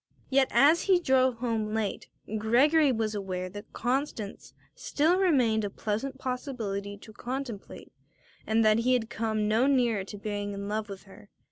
Yet as he drove home late Gregory was aware that Constance still remained a pleasant possibility to contemplate and that he had come no nearer to being in love with her.